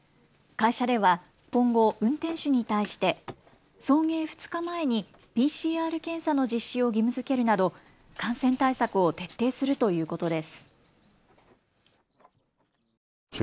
会社では今後、運転手に対して送迎２日前にＰＣＲ検査の実施を義務づけるなど感染対策を徹底するということです。